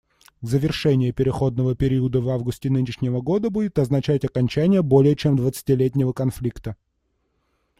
Завершение переходного периода в августе нынешнего года будет означать окончание более чем двадцатилетнего конфликта.